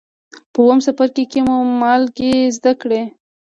په اووم څپرکي کې مو مالګې زده کړې.